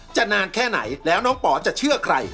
นานแค่ไหนแล้วน้องป๋อจะเชื่อใคร